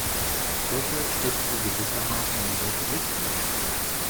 Deshalb steckt sie gewissermaßen in der Zwickmühle.